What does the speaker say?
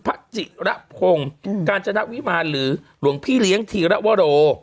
พระจิระพงศ์กาญจนวิมารหรือหลวงพี่เลี้ยงธีระวโร